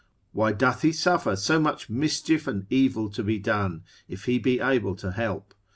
Why doth he suffer so much mischief and evil to be done, if he be able to help?